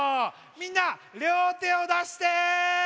みんなりょうてをだして。